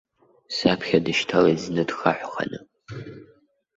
Сҿаԥхьа дышьҭалеит зны дхаҳәханы.